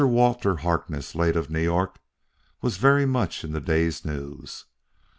Walter Harkness, late of New York, was very much in the day's news.